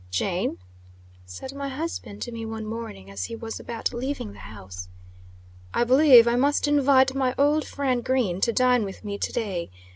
"Jane," said my husband to me one morning, as he was about leaving the house, "I believe I must invite my old friend Green to dine with me to day.